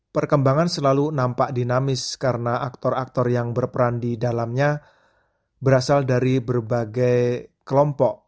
perkembangan selalu nampak dinamis karena aktor aktor yang berperan di dalamnya berasal dari berbagai kelompok